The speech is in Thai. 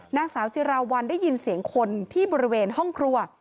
นางสาวจิราวัลได้ยินเสียงคนที่บริเวณห้องครัว